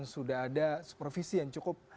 sudah ada supervisi yang cukup